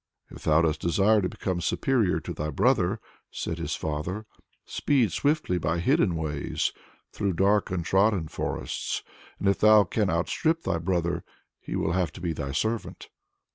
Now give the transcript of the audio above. "If thou dost desire to become superior to thy brother," said his father, "speed swiftly by hidden ways, through dark untrodden forests, and if thou canst outstrip thy brother, he will have to be thy servant!"